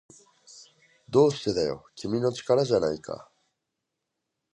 どうしてだよ、君の力じゃないか